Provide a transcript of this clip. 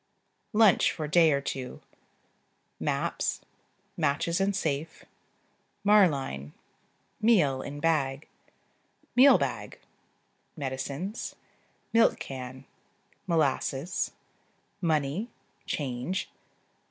Lunch for day or two. Maps. Matches and safe. Marline. Meal (in bag). Meal bag (see p. 32). Medicines. Milk can. Molasses. Money ("change").